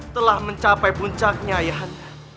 telah mencapai puncaknya ayahanda